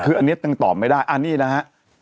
คืออันนี้ยังตอบไม่ได้อันนี้นะฮะ